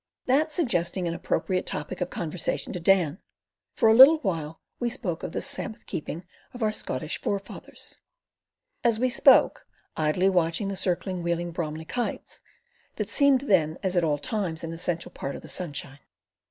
That suggesting an appropriate topic of conversation to Dan, for a little while we spoke of the Sabbath keeping of our Scottish forefathers; as we spoke, idly watching the circling, wheeling Bromli kites, that seemed then as at all times, an essential part of the sunshine.